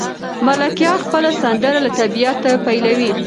ملکیار خپله سندره له طبیعته پیلوي.